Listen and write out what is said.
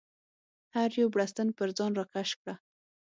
هر یو بړستن پر ځان راکش کړه.